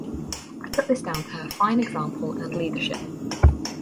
I put this down to her fine example and leadership.